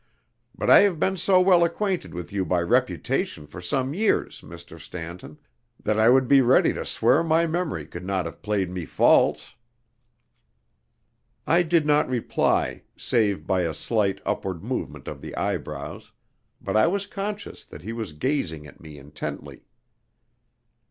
But I have been so well acquainted with you by reputation for some years, Mr. Stanton, that I would be ready to swear my memory could not have played me false." I did not reply, save by a slight upward movement of the eyebrows, but I was conscious that he was gazing at me intently.